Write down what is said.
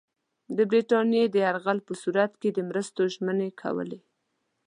د برټانیې د یرغل په صورت کې د مرستو ژمنې کولې.